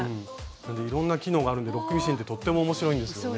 いろんな機能があるのでロックミシンってとっても面白いんですよね。